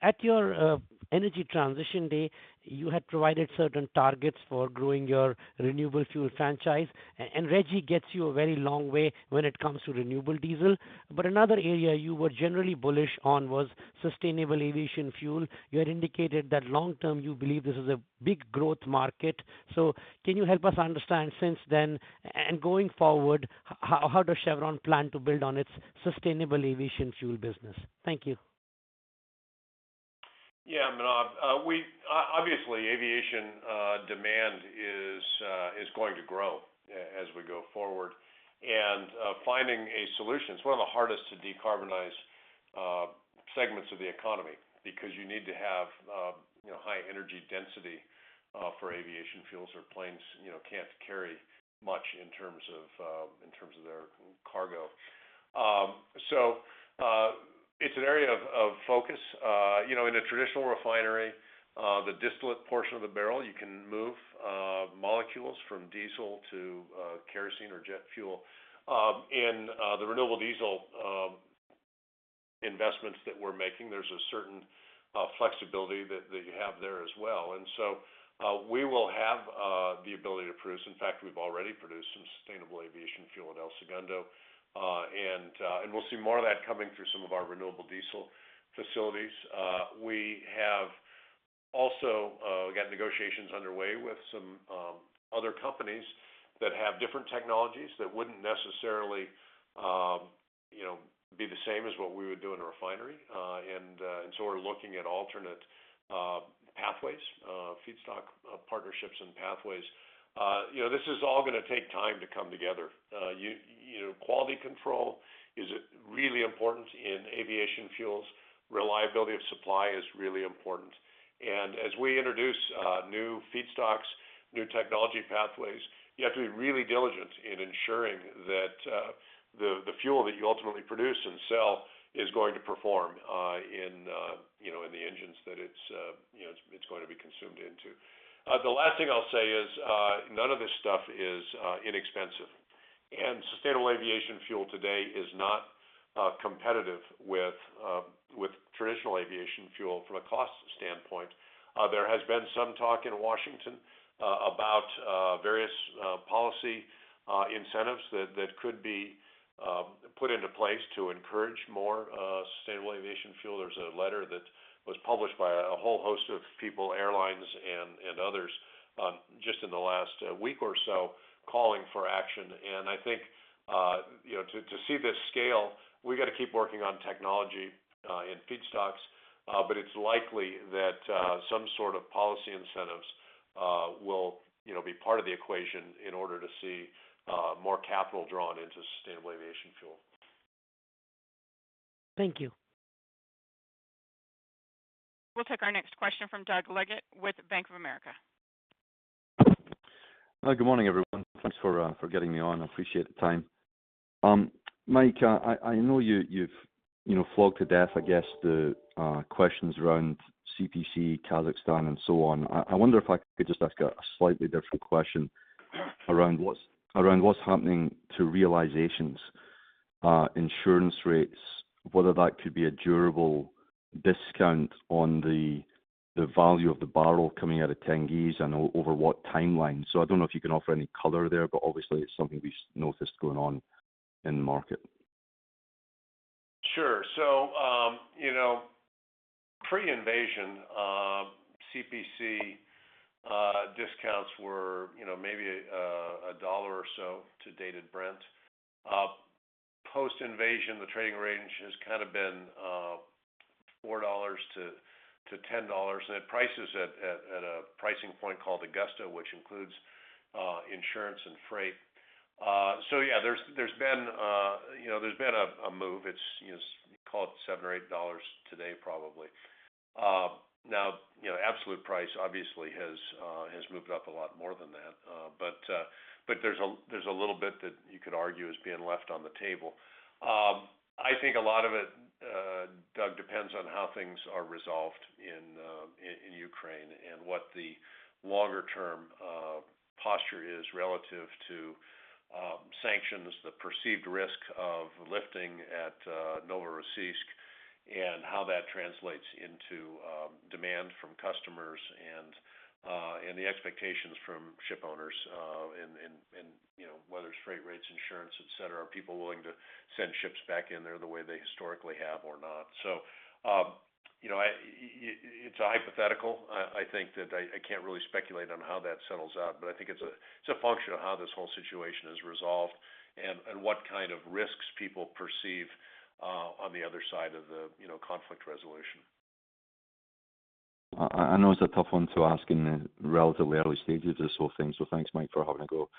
At your energy transition day, you had provided certain targets for growing your renewable fuel franchise. REG gets you a very long way when it comes to renewable diesel. Another area you were generally bullish on was sustainable aviation fuel. You had indicated that long term you believe this is a big growth market. Can you help us understand since then, and going forward, how does Chevron plan to build on its sustainable aviation fuel business? Thank you. Yeah, Manav. We obviously aviation demand is going to grow as we go forward. Finding a solution, it's one of the hardest to decarbonize segments of the economy because you need to have, you know, high energy density for aviation fuels or planes, you know, can't carry much in terms of their cargo. So, it's an area of focus. You know, in a traditional refinery, the distillate portion of the barrel, you can move molecules from diesel to kerosene or jet fuel. In the renewable diesel investments that we're making, there's a certain flexibility that you have there as well. We will have the ability to produce. In fact, we've already produced some sustainable aviation fuel at El Segundo. We'll see more of that coming through some of our renewable diesel facilities. We got negotiations underway with some other companies that have different technologies that wouldn't necessarily you know be the same as what we would do in a refinery. We're looking at alternate pathways, feedstock partnerships and pathways. You know, this is all gonna take time to come together. You know, quality control is really important in aviation fuels. Reliability of supply is really important. As we introduce new feedstocks, new technology pathways, you have to be really diligent in ensuring that the fuel that you ultimately produce and sell is going to perform, you know, in the engines that it's, you know, going to be consumed into. The last thing I'll say is none of this stuff is inexpensive. Sustainable aviation fuel today is not competitive with traditional aviation fuel from a cost standpoint. There has been some talk in Washington about various policy incentives that could be put into place to encourage more sustainable aviation fuel. There's a letter that was published by a whole host of people, airlines and others just in the last week or so calling for action. I think, you know, to see this scale, we gotta keep working on technology, and feedstocks, but it's likely that, some sort of policy incentives, will, you know, be part of the equation in order to see, more capital drawn into sustainable aviation fuel. Thank you. We'll take our next question from Doug Leggate with Bank of America. Hi. Good morning, everyone. Thanks for getting me on. I appreciate the time. Mike, I know you've, you know, flogged to death, I guess, the questions around CPC, Kazakhstan, and so on. I wonder if I could just ask a slightly different question around what's happening to realizations, insurance rates, whether that could be a durable discount on the value of the barrel coming out of Tengiz, and over what timeline. I don't know if you can offer any color there, but obviously it's something we've noticed going on in the market. Sure. You know, pre-invasion, CPC discounts were, you know, maybe a dollar or so to dated Brent. Post-invasion, the trading range has kind of been $4-$10. At prices at a pricing point called Augusta, which includes insurance and freight. Yeah, there's been a move. It's, you know, call it $7 or $8 today, probably. Now, you know, absolute price obviously has moved up a lot more than that, but there's a little bit that you could argue is being left on the table. I think a lot of it, Doug, depends on how things are resolved in Ukraine, and what the longer-term posture is relative to sanctions, the perceived risk of lifting at Novorossiysk, and how that translates into demand from customers and the expectations from ship owners. You know, whether it's freight rates, insurance, et cetera. Are people willing to send ships back in there the way they historically have or not? It's a hypothetical. I think that I can't really speculate on how that settles out, but I think it's a function of how this whole situation is resolved and what kind of risks people perceive on the other side of the conflict resolution. I know it's a tough one to ask in the relatively early stages of this whole thing, so thanks, Mike, for having a go.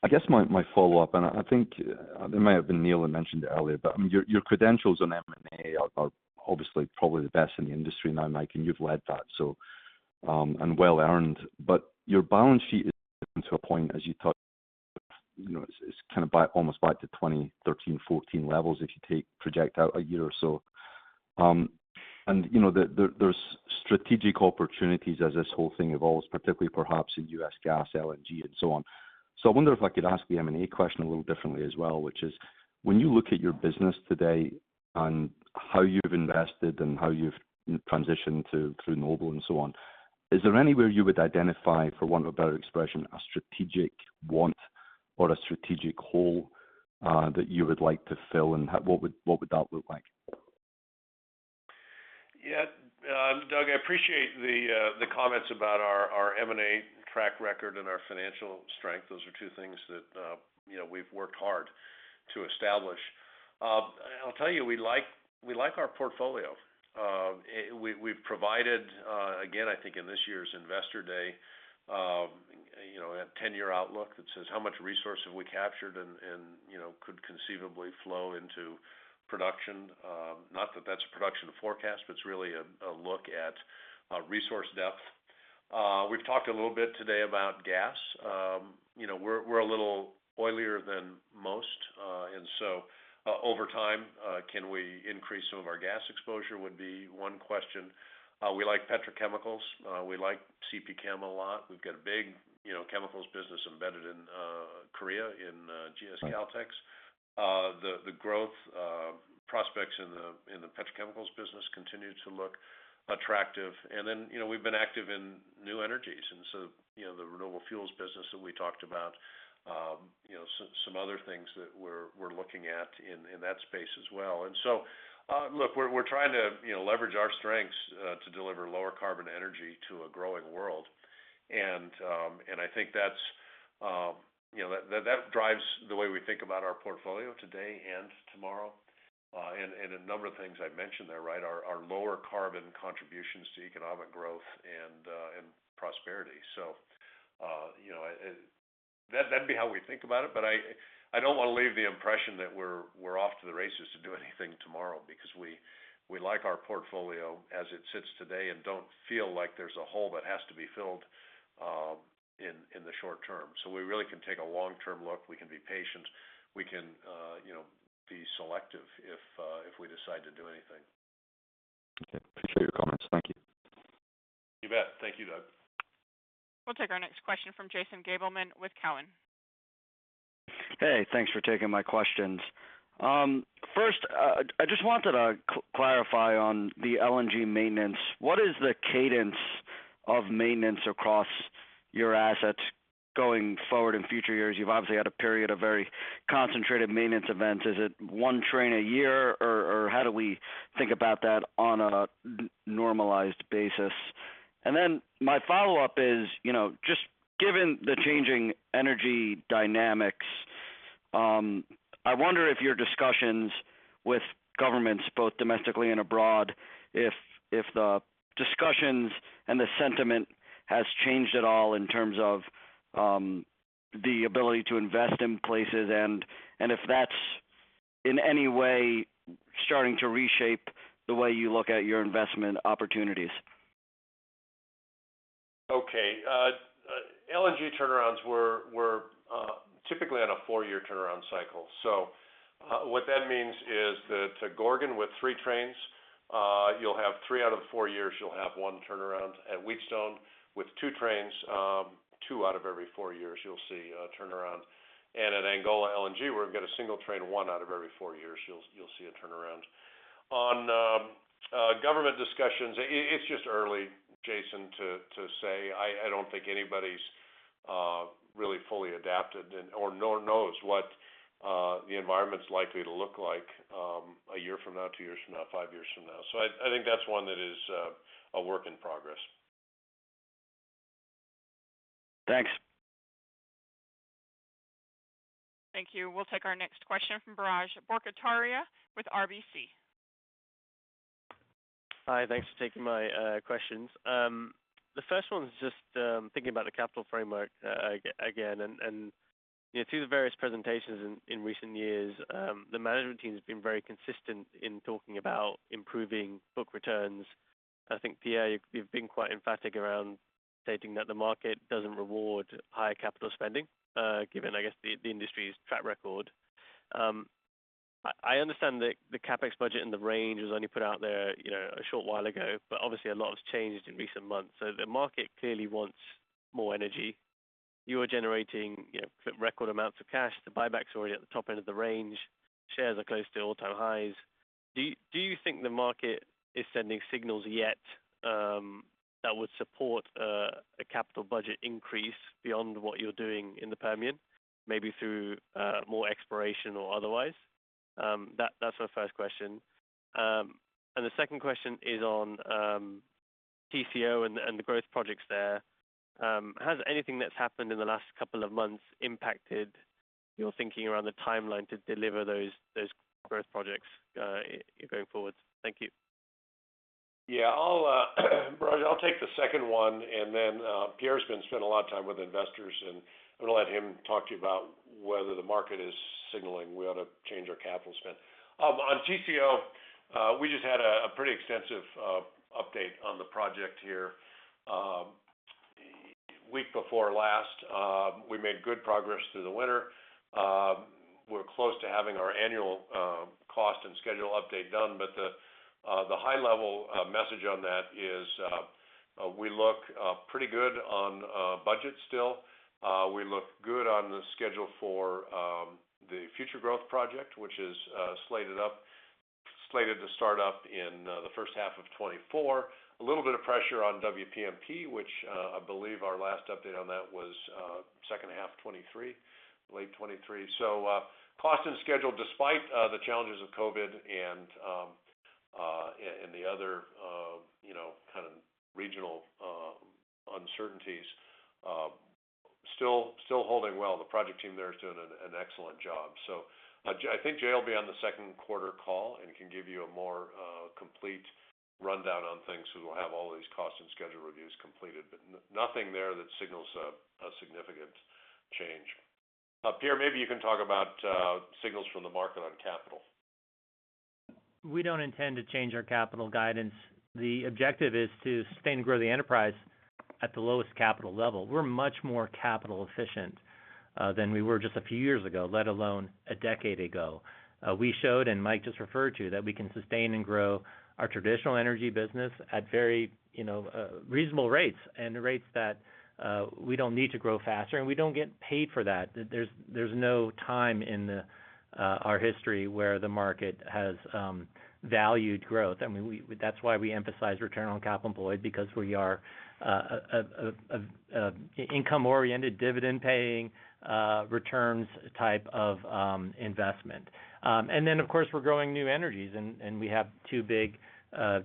I guess my follow-up, and I think it might have been Neil that mentioned it earlier. I mean, your credentials on M&A are obviously probably the best in the industry now, Mike, and you've led that, so, and well earned. Your balance sheet is getting to a point, as you touched, you know, it's kind of almost back to 2013, 2014 levels if you project out a year or so. You know, there's strategic opportunities as this whole thing evolves, particularly perhaps in U.S. gas, LNG, and so on. I wonder if I could ask the M&A question a little differently as well, which is: when you look at your business today and how you've invested and how you've transitioned to Noble and so on, is there anywhere you would identify, for want of a better expression, a strategic want or a strategic hole, that you would like to fill, and what would that look like? Yeah. Doug, I appreciate the comments about our M&A track record and our financial strength. Those are two things that you know, we've worked hard to establish. I'll tell you, we like our portfolio. We've provided, again, I think in this year's Investor Day, you know, a 10-year outlook that says how much resource have we captured and you know, could conceivably flow into production. Not that that's a production forecast, but it's really a look at resource depth. We've talked a little bit today about gas. You know, we're a little oilier than most. Over time, can we increase some of our gas exposure would be one question. We like petrochemicals. We like CPChem a lot. We've got a big, you know, chemicals business embedded in Korea in GS Caltex. The growth prospects in the petrochemicals business continue to look attractive. You know, we've been active in new energies and so, you know, the renewable fuels business that we talked about. You know, some other things that we're looking at in that space as well. Look, we're trying to, you know, leverage our strengths to deliver lower carbon energy to a growing world. I think that's, you know, that drives the way we think about our portfolio today and tomorrow. A number of things I've mentioned there, right? Our lower carbon contributions to economic growth and prosperity. You know, that'd be how we think about it, but I don't wanna leave the impression that we're off to the races to do anything tomorrow because we like our portfolio as it sits today and don't feel like there's a hole that has to be filled in the short-term. We really can take a long-term look. We can be patient. We can, you know, be selective if we decide to do anything. Okay. Appreciate your comments. Thank you. You bet. Thank you, Doug. We'll take our next question from Jason Gabelman with Cowen. Hey, thanks for taking my questions. First, I just wanted to clarify on the LNG maintenance. What is the cadence of maintenance across your assets going forward in future years? You've obviously had a period of very concentrated maintenance events. Is it one train a year? Or how do we think about that on a normalized basis? And then my follow-up is, you know, just given the changing energy dynamics, I wonder if your discussions with governments, both domestically and abroad, if the discussions and the sentiment has changed at all in terms of the ability to invest in places and if that's in any way starting to reshape the way you look at your investment opportunities. Okay. LNG turnarounds were typically on a four-year turnaround cycle. What that means is that to Gorgon with three trains, you'll have three out of four years, you'll have one turnaround. At Wheatstone with two trains, two out of every four years, you'll see a turnaround. At Angola LNG, we've got a single train, one out of every four years, you'll see a turnaround. On government discussions, it's just early, Jason, to say. I don't think anybody's really fully adapted and/or knows what the environment's likely to look like, a year from now, two years from now, five years from now. I think that's one that is a work in progress. Thanks. Thank you. We'll take our next question from Biraj Borkhataria with RBC. Hi. Thanks for taking my questions. The first one is just thinking about the capital framework again, and you know, through the various presentations in recent years, the management team has been very consistent in talking about improving book returns. I think, Pierre, you've been quite emphatic around stating that the market doesn't reward high capital spending, given, I guess, the industry's track record. I understand the CapEx budget and the range was only put out there, you know, a short while ago, but obviously a lot has changed in recent months. The market clearly wants more energy. You are generating, you know, record amounts of cash. The buyback's already at the top end of the range. Shares are close to all-time highs. Do you think the market is sending signals yet that would support a capital budget increase beyond what you're doing in the Permian, maybe through more exploration or otherwise? That's my first question. The second question is on TCO and the growth projects there. Has anything that's happened in the last couple of months impacted your thinking around the timeline to deliver those growth projects going forward? Thank you. Yeah. Biraj, I'll take the second one, and then Pierre's been spending a lot of time with investors, and I'm gonna let him talk to you about whether the market is signaling we ought to change our capital spend. On TCO, we just had a pretty extensive update on the project here week before last. We made good progress through the winter. We're close to having our annual cost and schedule update done, but the high level message on that is we look pretty good on budget still. We look good on the schedule for the future growth project, which is slated to start up in the first half of 2024. A little bit of pressure on WPMP, which, I believe our last update on that was, second half 2023, late 2023. Cost and schedule, despite the challenges of COVID and the other, you know, kind of regional uncertainties, still holding well. The project team there is doing an excellent job. I think Jay will be on the second quarter call and can give you a more complete rundown on things. We will have all these cost and schedule reviews completed, but nothing there that signals a significant change. Pierre, maybe you can talk about signals from the market on capital. We don't intend to change our capital guidance. The objective is to sustain and grow the enterprise at the lowest capital level. We're much more capital efficient than we were just a few years ago, let alone a decade ago. We showed, and Mike just referred to, that we can sustain and grow our traditional energy business at very, you know, reasonable rates and the rates that we don't need to grow faster, and we don't get paid for that. There's no time in our history where the market has valued growth. I mean, that's why we emphasize return on capital employed because we are a income-oriented, dividend-paying returns type of investment. Of course, we're growing new energies and we have two big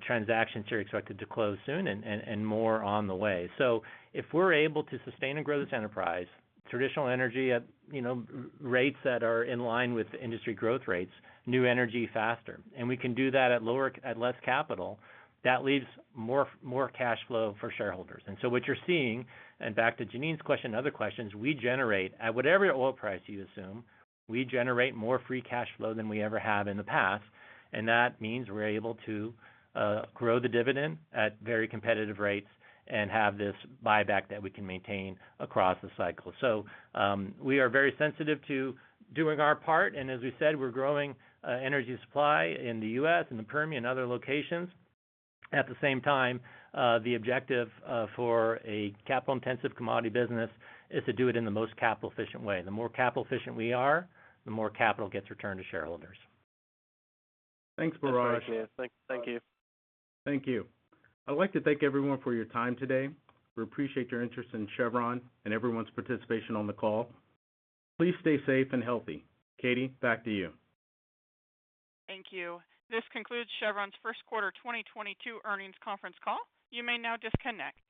transactions here expected to close soon and more on the way. If we're able to sustain and grow this enterprise, traditional energy at, you know, rates that are in line with industry growth rates, new energy faster, and we can do that at less capital, that leaves more cash flow for shareholders. What you're seeing, and back to Jeanine's question and other questions, we generate, at whatever oil price you assume, we generate more free cash flow than we ever have in the past, and that means we're able to grow the dividend at very competitive rates and have this buyback that we can maintain across the cycle. We are very sensitive to doing our part, and as we said, we're growing energy supply in the U.S. and the Permian and other locations. At the same time, the objective for a capital-intensive commodity business is to do it in the most capital-efficient way. The more capital-efficient we are, the more capital gets returned to shareholders. Thanks, Biraj. Thanks, Pierre. Thank you. Thank you. I'd like to thank everyone for your time today. We appreciate your interest in Chevron and everyone's participation on the call. Please stay safe and healthy. Katie, back to you. Thank you. This concludes Chevron's first quarter 2022 earnings conference call. You may now disconnect.